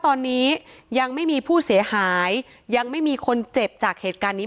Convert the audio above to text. ตอนนี้ยังไม่มีผู้เสียหายยังไม่มีคนเจ็บจากเหตุการณ์นี้